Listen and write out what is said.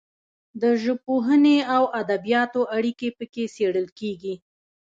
د ژبپوهنې او ادبیاتو اړیکې پکې څیړل کیږي.